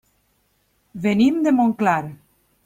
Venim de Montclar.